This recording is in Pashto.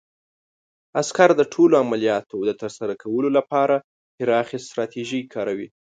عسکر د ټولو عملیاتو د ترسره کولو لپاره پراخې ستراتیژۍ کاروي.